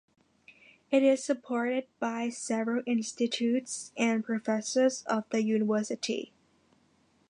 It is supported by several Institutes and professors of the university.